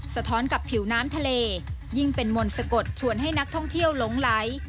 สะท้อนกับผิวน้ำทะเลยิ่งเป็นมนต์สะกดชวนให้นักท่องเที่ยวหลงไหล